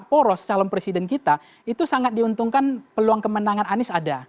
kalau tiga poros itu adalah kolom presiden kita itu sangat diuntungkan peluang kemenangan anies ada